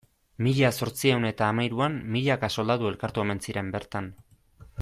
Mila zortziehun eta hamahiruan milaka soldadu elkartu omen ziren bertan.